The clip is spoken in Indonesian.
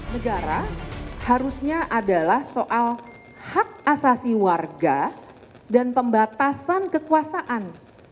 negara harusnya adalah soal hak asasi warga dan pembatasan kekuasaan